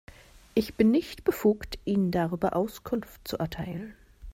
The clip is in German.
Ich bin nicht befugt, Ihnen darüber Auskunft zu erteilen.